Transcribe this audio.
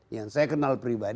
yang saya kenal dengan